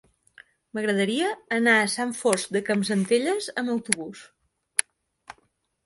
M'agradaria anar a Sant Fost de Campsentelles amb autobús.